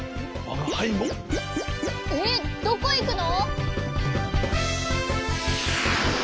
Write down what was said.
えっどこいくの？